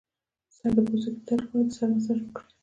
د سر د پوستکي د درد لپاره د سر مساج وکړئ